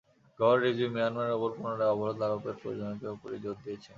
গওহর রিজভী মিয়ানমারের ওপর পুনরায় অবরোধ আরোপের প্রয়োজনীয়তার ওপরই জোর দিয়েছেন।